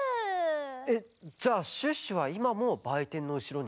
えっじゃあシュッシュはいまもばいてんのうしろに？